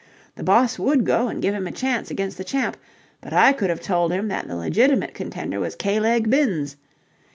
The boss would go and give him a chance against the champ, but I could have told him that the legitimate contender was K leg Binns.